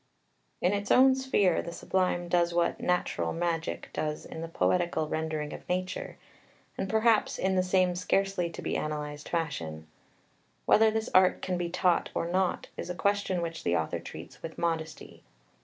In its own sphere the Sublime does what "natural magic" does in the poetical rendering of nature, and perhaps in the same scarcely to be analysed fashion. Whether this art can be taught or not is a question which the author treats with modesty.